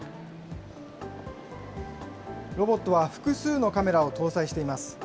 ロボットは複数のカメラを搭載しています。